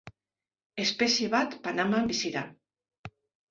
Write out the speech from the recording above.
Espezie bat Panaman bizi da.